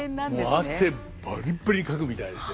もう汗バリバリにかくみたいですよ。